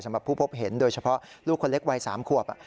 สำหรับผู้พบเห็นโดยเฉพาะลูกคนเล็กวัย๓ขวบ